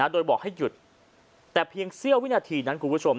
โดยบอกให้หยุดแต่เพียงเสี้ยววินาทีนั้นคุณผู้ชม